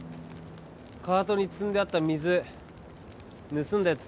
カートに積んであった水盗んだやつ